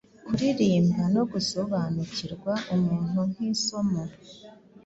kuririmba nogusobanukirwa umuntu nkisomo